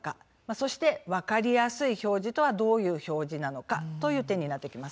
そしてわかりやすい表示とはどういう表示なのかという点になってきます。